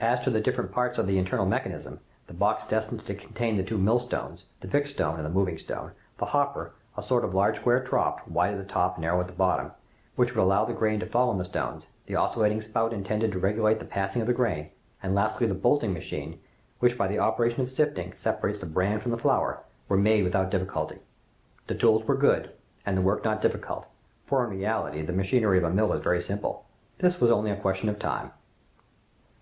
As to the different parts of the internal mechanism, the box destined to contain the two millstones, the fixed stone and the moving stone, the hopper, a sort of large square trough, wide at the top, narrow at the bottom, which would allow the grain to fall on the stones, the oscillating spout intended to regulate the passing of the grain, and lastly the bolting machine, which by the operation of sifting, separates the bran from the flour, were made without difficulty. The tools were good, and the work not difficult, for in reality, the machinery of a mill is very simple. This was only a question of time.